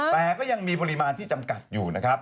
แต่ก็ยังมีปริมาณที่จำกัดอยู่นะครับ